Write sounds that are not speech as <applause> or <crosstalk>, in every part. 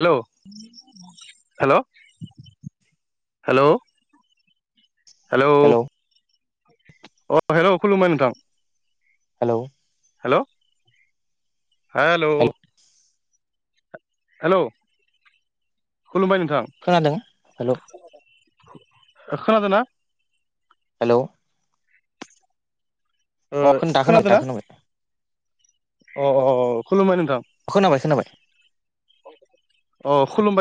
Hello hello hello hello अ hello खुलुमबाय नोंथां हेलौ हेलौ हेलौ हेल हेल' खुलुमबाय नोंथां खोनादों हेल' ए खोनादों ना? हेल' ऐ खोनादोंना? अ अ खुलुमबाय नोंथां अ खोनाबाय खोनाबाय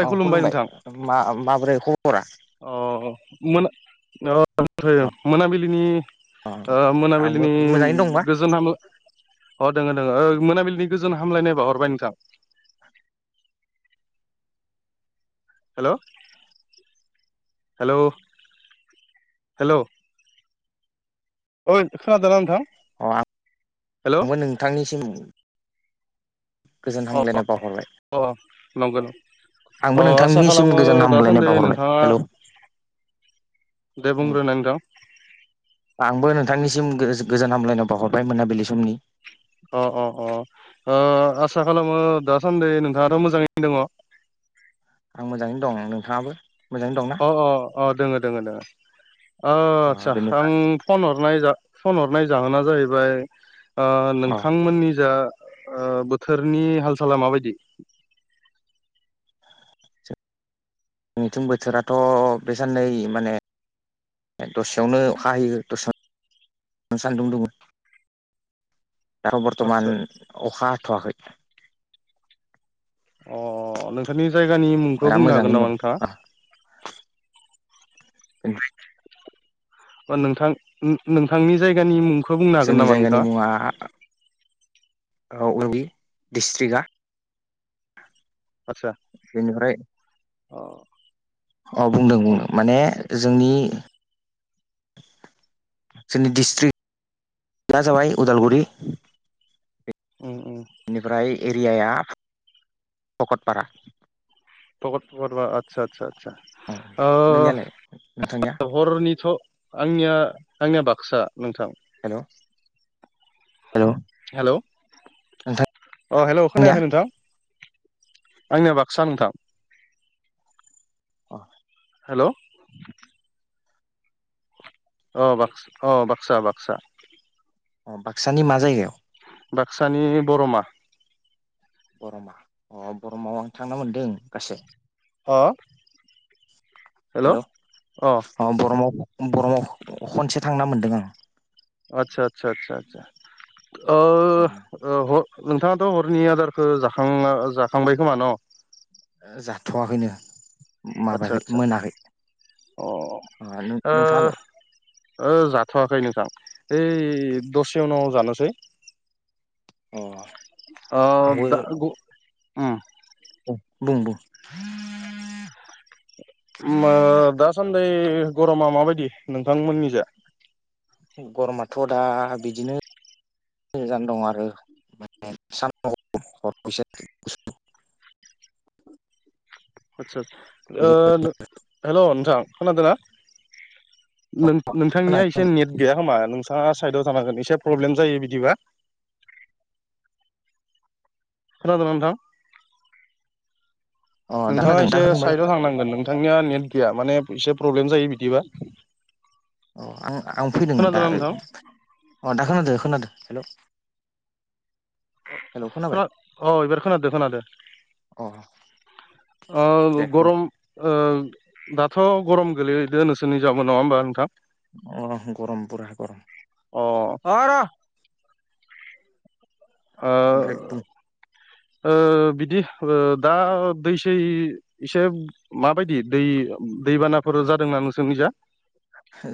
अ खुलुमबाय मा माबोरै खबरा? अ मोन ओमफ्राय अ मोनाबिलिनि अ ओ आंबो मोनाबिलिनि मोजाङैनो दंबा गोजोन हाम अ दङ दङ ओ मोनाबिनि गोजोन हामलायनाया हरबाय नोंथां। हेलौ हेलौ हेलौ यै खोनादोंना नोंथां? अ आं हेलौ आंबो नोंथांनिसिम गोजोन अ हामलायनाय बावहरबाय अ नंगौ आंबो अ आसा नोंथांनिसिम खालामो गोजोन हामग्लायनाय दासान्दि बावहरबाय नोंथाङा हेलौ दे उम बुंग्रोनाय नोंथां आंबो नोंथांनिसिम गो- गोजान हामलायनायाव बावाहरबाय मोनाबिलि समनि। अ अ अ ओ आसा खालामो दासान्दि नोंथाङाथ' मोजाङैनो दङ। आं मोजाङैनो दं ओं नोंथाङाबो मोजाङै दंना अ अ अ दोङ दङ दङ अ आचसा आं फन हरनाय जा फन हरनाय जाहोना जाहैबाय ओ अ नोंथांमोननि जा ओ बोथोरनि हाल साला माबायदि? जोंनिथिं बोथोराथ' बे साननै माने दसेयावनो अखा हायो दसेयावनो सान्दुं दुङो। दा बर्थमान आदसा अखा हाथ'आखै अ नोंथांनि जायगानि मुंखौ दा बुंनो हागोन मोजाङैनो नामा नोंथाङा? <inaudible> ओ नोंथां ओम ओम नोंथांनि जायगानि मुंखौ बुंनो हागोन जोंनि नामा जायगानि नोंथाङा मुङा <unintelligible> डिस्ट्रिक्टआ आतसा बेनिफ्राय अ अ बुंदों उम बुंदों माने जोंनि जोंनि डिस्ट्रिक्आ जाबाय उदालगुरि ओम ओम बेनिफ्राय एरियाया भकतपारा। पकतपारा आसा आसा आसा अ नोंनियालाय नोंथांनिया? हरनिथ' आंनिया आंनिया बाक्सा नोंथां हेलौ हेलौ नोंथांनिया अ हेलौ खोनायाखै नोंथां? आंनिया बाक्सा नोंथां अ हेलौ अ बाक्स अ बाक्सा बाक्सा अ बाक्सानि मा जायगायाव? बाक्सानि बर'मा। बर'मा अ बर'माव आं थांनो मोनदों गासै हा हेलौ अ बरमाव बरमाव खनसे थांना मोन्दों आं। आतसा आतसा आसा आसा अ ह नोंथाङाथ' हरनि आदारखौ जाखां जाखांबाय खोमा न' जाथ'वाखैनो आतसा माबायाखै आतसा मोनाखै अ नों <unintelligible> नोंथाङालाय ओ जाथ'आखै नोंथां ओइ दसे उनाव जानोसै। अ अ आंबो दा गु ओम औ बुं बुं <unintelligible> दासान्दै गरमा माबायदि नोंथांमोननि जा गरमाथ' दा बिदिनो गोजान दं आरो सान <unintelligible> आदसा ओ बिदि नो हेल' नोंथां खोनादो ना? नों-नोंथांनिया एसे नेट गैया खोमा नोंथाङा साइदाव थानांगोन एसे प्रब्लेम जायो बिदिबा खोनादों ना नोंथां अ दा नोंथाङा खोनादों दा एसे खोनादोंबालाय साइदाव थांनांगोन नों थांनिया नेट गैया माने एसे प्रब्लेम जायो बिदिबा। अ आं आं फैदों दा खोनादोंना नोंथां अ दा खोनादो खोनादो हेलौ खोनाबाय अ एबार खोनादो खोनादो। अ ओ दे बुं गरम ओ दाथ' गरम गोलैैदो नोंसोरनिजाबो नङा होमबा नोंथां अ गरम पुरा गरम अ अ र' ओ ओमफ्राय बुं ओ बिदि ओ दा दै सै इसे माबायदि दै दैबानाफोर जादों ना नोंसोरनिजा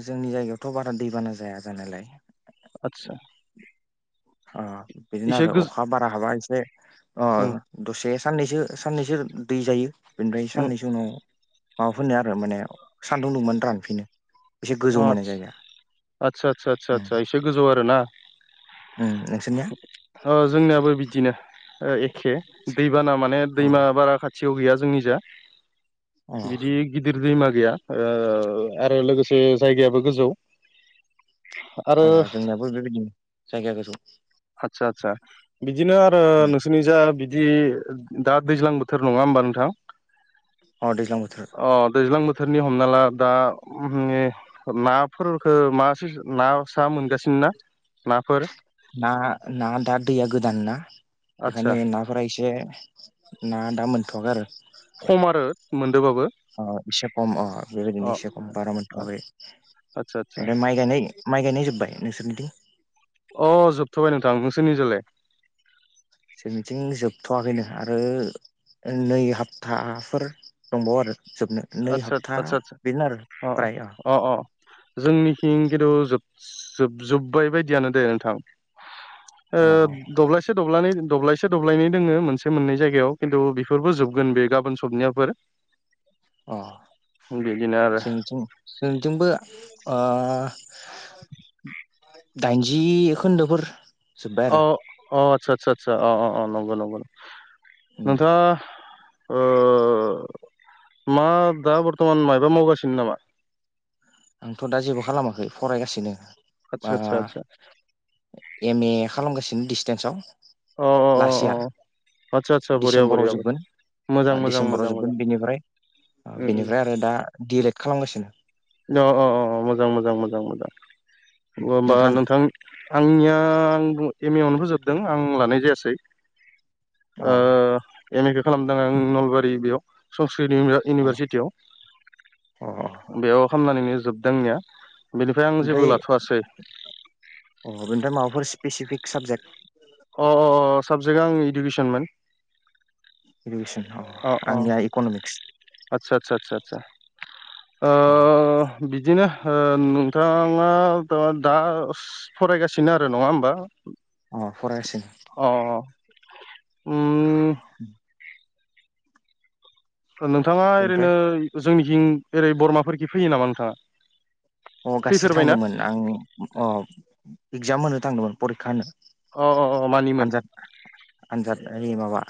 जोंनि जायगायावथ' बारा दैबाना जाया जानायालाय। आदसा अ बिदिनो एसे आरो गोज अखा बारा हाबा एसे अ उम दसे साननैसो साननैसो दै जायो बेनिफ्राय उम साननैसो उनाव माबाफिनो आरो माने सान्दुं दुंबानो रानफिनो। एसे गोजौ अ माने जायगाया आदस आदसा आदसा उम आदसा <unintelligible> गोजौ आरो ना उम नोंसोरनिया ओ जोंनियाबो बिदिनो ओ एखे दैबाना माने अ दैमा बारा खा थियाव गैया जोंनि जा। अ बिदि गिदिर दैमा गैया ओ आरो लोगोसे <unintelligible> जायगायाबो गोजौ आरो अ जोंनियाबो बेबायदिनो जायगा गोजौ आदसा आदसा बिदिनो आरो उम नोंसोरनि जा बिदि दा दैज्लां बोथोर नङा होमबा नोंथां अ दैज्लां बोथोर। अ दैज्लां बोथोरनि हमना ला दा <unintelligible> नाफोरखो मा <unintelligible> ना सा मोनगासिनो ना नाफोर ना ना दा दैया गोदान ना बेखायनो आदसा ना फोरा एसे ना दा मोनथ'वाखै आरो खम आरो मोनदोबाबो। अ एसे खम अ बेबायदिनो अ एसे खम बारा मोनथ'वाखै। आदसा आदसा ओमफ्राय माइ गायनाय माइ गायनाय जोबबाय नोंसोरनिथिं अह जोबथ'बाय नोंथां। नोंसोनिजालाय? जोंथिं जोबथ'वाखैनो आरो नै हफ्ताफोर दंबावो आरो जोबनो नै आदसा हफ्ता आदसा आदसा बेनो आरो अ फ्राय ओ अ अ जोंनिथिं खिन्थुजोब जोबजोब्बाय बायदियानो दे नोंथां ओ अ दबलायसे से दब्ल दब्लायसे दब्लायन दोङो मोनसे मोननै जायगायाव खिन्थु बेफोरबो जोबगोन बे गाबोन सबनियाफोर अ बिदिनो आरो जोंथिं जोंथिंबो ओ दाइनजि खोनन्दोफोर औ अ आदसा आदसा आदसा अ अ अ नंगौ नंगौ उम नोंथाङा ओ मा दा बर्थमान मायबा मावगासिनो नामा? आंथ' दा जेबो खालामाखै फरायगासिनो आदसा बा आदसा आदसा एम ए खालामगासिनो दिसटेन्साव। अ अ अ लास्ट इयार अ आदसा आदसा बरिया डिसेम्बराव बरिया जोबगोन मोजां मोजां डिसेम्बराव मोजां मोजां जोबगोन बेनिफ्राय अ उम बेनिफ्राय आरो दा डि ए लेद खालामगासिनो अ अ अ मोजां मोजां मोजां मोजां अ होमबा नोंथाङालाय नोंथां आंनिया आं एम ए आवनो फोजोबदों आं लानाय जायासै अ ओ एम एखौ खालामदों आं नलबारि बेयाव संस्कृत अ इउनिभारसिटियाव बेयाव खामनानैनो जोबदां आंनिया बेनिफ्राय आं जेबो ओमफ्राय लाथ'वासै अ बेनिफ्राय माबाफोर स्पेसिफिक साबजेक्ट अ अ साबजेक्ट आं इडुकेसनमोन इदुकेसन अ आंनिया इक'न'मिक्स आदसा आदसा आ आ अ बिदिनो ओ नोंथाङा दा फरायगासिनो आरो नङा होमबा अ फरायगासिनो अ उम नोंथाङा बेनिफ्राय ओरैनो जोंनिखिं ओरै बरमाफोरखि फैयो नामा नोंथाङा? अ गासै फैफेरबायना थांदोंमोन आं अ एगजाम होनो थांदोंमोन परिखा होनो। अ अ अ मानिमोन? आनजाद आनजाद ओ माबा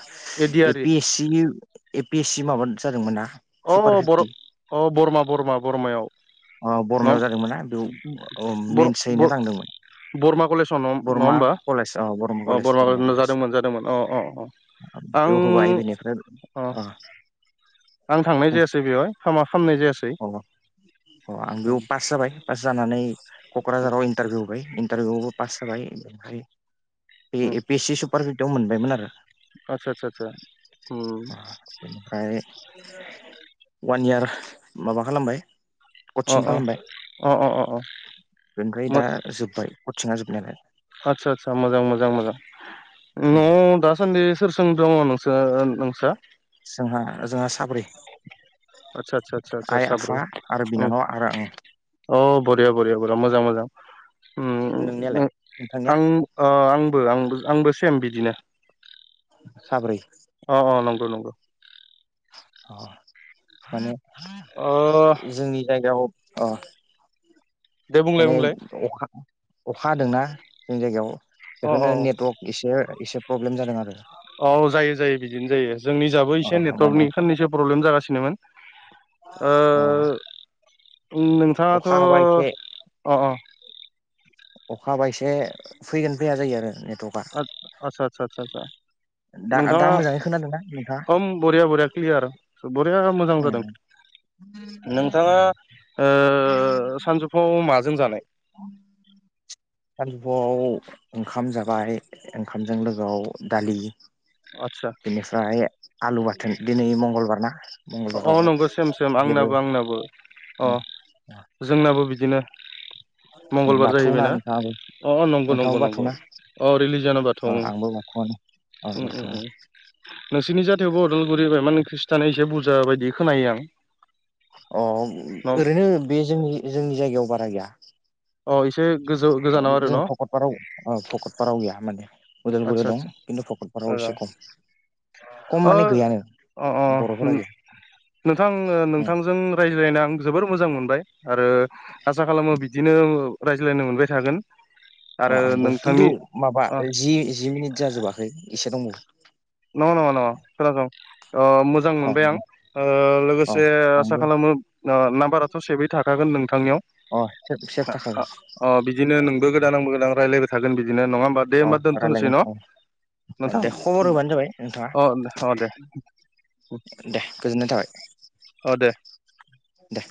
ए एदियारि P S G A P S C माबा जादोंमोन ना अ सुपार फिफ्टि औ बरमा बरमा बरमायाव अ न बरमायाव जादोंमोन ना बेयाव मेन्स हैनो बर-बर थांदोंमोन बरमा कलेजाव नङा होमबा अ बरमा कलेज जादोंमोन जादोंमोन अ अ अ आं बेयाव होबाय बेनिफ्राय अ आं थांनाय जायासै बेवहाय हामा खालामनाय जायासै अ अ आं बेयाव पास जाबाय पास जानानै क'क्राझाराव इन्टारभिउ इन्टारभिउ आबो पास जाबाय ओमफ्राय बे A P S C super फिफ्टिव मोनबायमोन आरो आतसा आतसा ओम अ बेनिफ्राय वान इयार माबा खालामबाय अ कचिं अ खालामबाय अ अ अ बेनिफ्राय दा जोब्बाय कचिंया जोबनायालाय आतसा आतसा मोजां मोजां मोजां न' दासान्दि सोरसों दङ नोंसोर नोंस्रा जोंहा जोंहा साब्रै आदसा आदसा आदसा आदसा आइ साब्रै आफा आरो उम बिनानाव आरो आं अ बरिया बरिया बरिया मोजां मोजां ओम नोंनियालाय नोंथांनिया आं अ आंबो आंबो आंबो सेम बिदिनो साब्रै अ अ नंगौ नंगौ औ माने अ जोंनि जायगायाव अ दे बुंलाय माने बुंलाय अखा अखा हादोंना जोंनि जायगायाव अ अ बेखौनो नेटवर्क एसे एसे प्रब्लेम जादों आरो औ जायो जायो बिदिनो जायो जोंनि जाबो एसे अ नेटवर्कनि माने साननैसो प्रब्लेम जागासिनोमोन अ उ अखा हाबाय एसे अखाहाबा एसे फैगोन फैया जायो आरो नेटवर्क आचसा आचा आ नोंथाङा ना नोंथा हम बरिया बरिया क्लियार बरिया मोजां उम जादों नोंथाङा सानजौफुवाव माजों जानाय <inaudible> सानजौफुआव ओंखाम जाबाय ओंखामजों लोगोआव दालि आतसा बेनिफ्राय आलु बाथोन दिनै मंगलबार ना अ मंगलबाराव नंगौ सेम सेम आंनाबो आंनाबो जेबो अ जोंनाबो बिदिनो मंगलबार बाथौना जाहैबायना नोंथाङाबो अ अ नंगौ नोंथाङाबो नंगौ नंगौ बाथौना अ रिलिज जानोबाथ' औगथ' नोंसिरनि जाथायावबो अदालगुरि माने खृष्टिाना एसे बुरजा बायदि खोनायो आं अ न ओरैनो बे जोंनि जोंनि जायगायाव बारा गैया अ एसे गोजौ गोजानाव आरो न' ककाराव भकतपाराव गैया माने आदसा उदालगुरियाव दं खिन्थु भकतपाराव एसे खम खम अ माने गैयानो अ अ बर'फोरा गैया नोंथां उम नोंथांजों रायज्लायनो आं जोबोर मोजां मोनबाय आरो आसा खालामो बिदिनो रायज्लायनो मोनबाय थागोन अ आरो आंबो खिन्थु नोंथांनि माबा अ जि जि मिनिट जाजोबाखै एसे दंबावो नङा नङा-नङा खोनासं मोजां अ मोनबाय बुं आं अ लोगोसे आंबो आसा खालामो नाम्बाराथ' सेभै थाखागोन नोंथांनियाव अ सेब सेब थाखागोन अ बिदिनो नोंबो गोदान आंबो गोदान रायज्लायबाय थागोन बिदिनो नङा होम्बा दे होम्बा अ दोनथ'नोसै न' रायलायगोन अ दे खबर नोंथांलाय होबानो जाबाय नोंथाङा दे गोजोननाय थाबाय औ दे दा